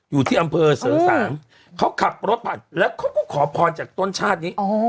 อยู่ที่อำเภอเสริงสางเขาขับรถผ่านแล้วเขาก็ขอพรจากต้นชาตินี้